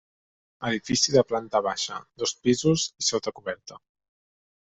Edifici de planta baixa, dos pisos i sota-coberta.